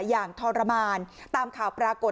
อย่างทรมานตามข่าวปรากฏ